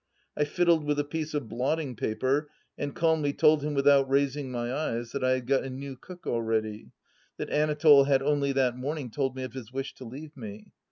I fiddled with a piece of blotting paper, and calmly told him, without raising my eyes, that I had got a new cook already ; that Anatole had only that morning told me of his wish to leave me.